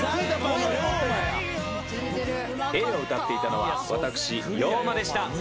Ａを歌っていたのは私ＹＯＭＡでした。